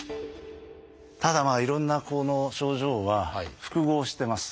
ただいろんなこの症状は複合してます。